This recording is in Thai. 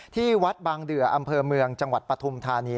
ที่วัดบางเดืออำเภอเมืองจังหวัดปฐุมธานี